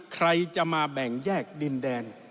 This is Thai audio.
ใครจะมาแบ่งแยกดินแดน